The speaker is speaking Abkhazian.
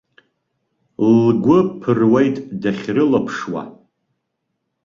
Лгәы ԥыруеит дахьрылаԥшуа.